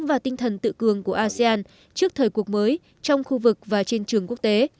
và tinh thần tự cường của asean trước thời cuộc mới trong khu vực và trên trường quốc tế